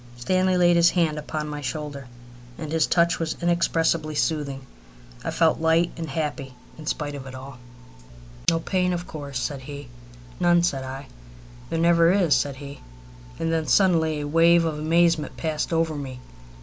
Stanley laid his hand upon my shoulder, and his touch was inexpressibly soothing. I felt light and happy, in spite of all. "No pain, of course?" said he. "None," said I. "There never is," said he. And then suddenly a wave of amazement passed over me.